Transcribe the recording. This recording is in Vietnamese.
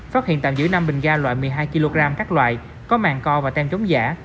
phát hiện tạm giữ năm bình ga loại một mươi hai kg các loại có màng co và tem chống giả